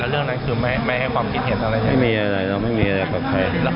เราไม่มีอะไรเราไม่มีอะไรกับใคร